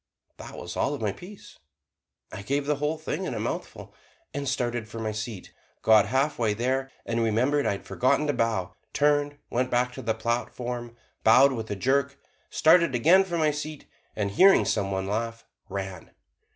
That was all of the piece. I gave the whole thing in a mouthful, and started for my seat, got halfway there and remembered I had forgotten to bow, turned, went back to the platform, bowed with a jerk, started again for my seat, and hearing some one laugh, ran.